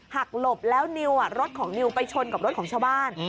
หลบแล้วนิวรถของนิวไปชนกับรถของชาวบ้าน